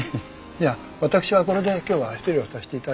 じゃ私はこれで今日は失礼をさせていただきます。